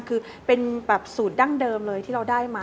คือเป็นแบบสูตรดั้งเดิมเลยที่เราได้มา